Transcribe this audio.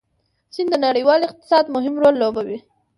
چین د نړیوال اقتصاد مهم رول لوبوي.